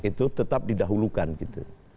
itu tetap didahulukan gitu